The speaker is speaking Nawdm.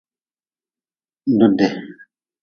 Dude.